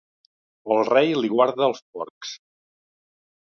El Rei li guarda els porcs!